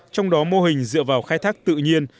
trong đó mô hình dựa vào khai thác tự nhiên